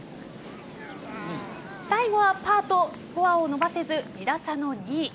最後はパーとスコアを伸ばせず２打差の２位。